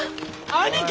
兄貴！